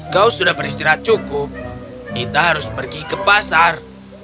kau sudah beristirahat cukup kita harus pergi ke pasar